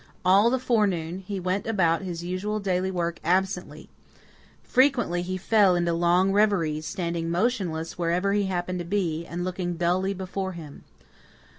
All the forenoon he went about his usual daily work absently. Frequently he fell into long reveries, standing motionless wherever he happened to be, and looking dully before him.